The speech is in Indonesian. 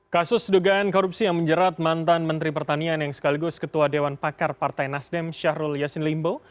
kasus dugaan korupsi yang menjerat mantan menteri pertanian yang sekaligus ketua dewan pakar partai nasdem syahrul yassin limbo